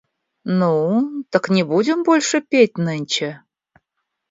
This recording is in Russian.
Ну, так не будем больше петь нынче?